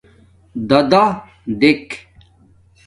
دادادکھ